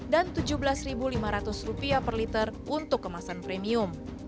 dan rp tujuh belas lima ratus per liter untuk kemasan premium